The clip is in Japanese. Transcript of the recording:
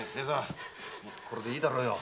これでいいだろ？